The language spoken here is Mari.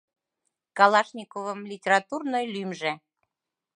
Калашниковым литературный лӱмжӧ.